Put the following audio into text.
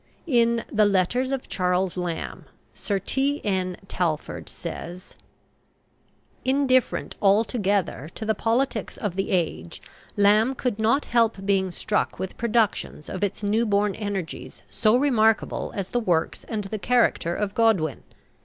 In "The Letters of Charles Lamb," Sir T.N. Talfourd says: "Indifferent altogether to the politics of the age, Lamb could not help being struck with productions of its newborn energies so remarkable as the works and the character of Godwin.